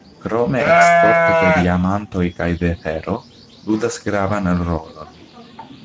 Krome eksporto de diamantoj kaj de fero ludas gravan rolon.